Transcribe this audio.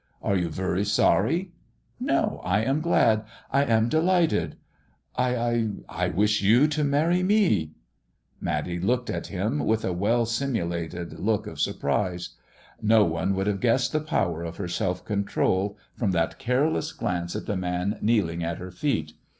Are yon vnry aorry ?"" No, I am glad ! I am delighted ! I — I wish you to marry me." 190 MISS JONATHAN Matty looked at him with a well simulated look of surprise. No one would have guessed the power of her self control from that careless glance at the man kneeling at her feet.